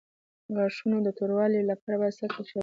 د غاښونو د توروالي لپاره باید څه شی وکاروم؟